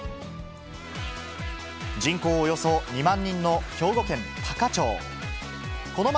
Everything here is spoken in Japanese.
人口およそ２万人の兵庫県多可町。